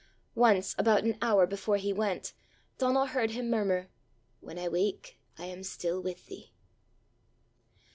Once, about an hour before he went, Donal heard him murmur, "When I wake I am still with thee!"